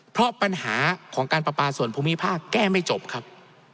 เพราะปัญหาของการประปาส่วนภูมิภาคแก้ไม่จบครับ